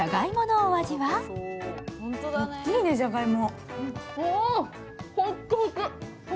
おっきいね、じゃがいも。